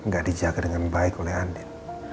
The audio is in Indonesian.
nggak dijaga dengan baik oleh andin